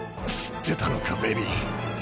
知ってたのかベビン。